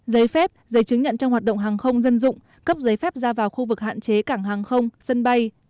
giấy phép giấy chứng nhận trong hoạt động hàng không dân dụng cấp giấy phép ra vào khu vực hạn chế cảng hàng không sân bay